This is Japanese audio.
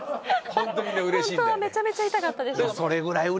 本当はめちゃめちゃ痛かったでしょう。